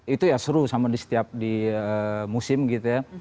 itu ya seru sama di setiap di musim gitu ya